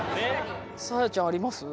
サーヤちゃんあります？